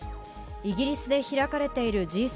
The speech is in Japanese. イギリスで開かれているＧ７